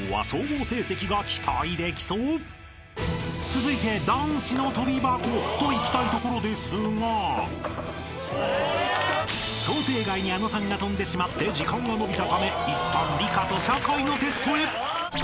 ［続いて男子の跳び箱といきたいところですが想定外にあのさんが跳んでしまって時間が延びたためいったん理科と社会のテストへ］